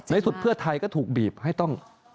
สุดเพื่อไทยก็ถูกบีบให้ต้อง